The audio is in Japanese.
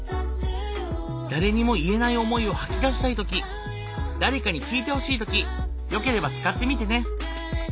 誰にも言えない思いを吐き出したい時誰かに聞いてほしい時よければ使ってみてね。